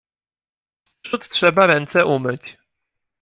Wprzód trzeba ręce umyć.